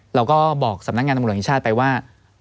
เราก็บอกสำนักงานตรงกรณีชาติไปว่า